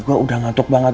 gue udah ngantuk banget